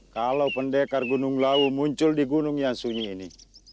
kalau pendekar gunung lawu muncul di gunung yang sunyi ini